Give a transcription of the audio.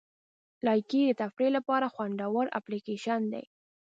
لایکي د تفریح لپاره خوندوره اپلیکیشن دی.